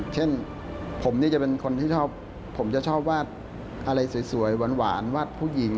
เช่นผมนี่จะเป็นคนที่ชอบผมจะชอบวาดอะไรสวยหวานวาดผู้หญิง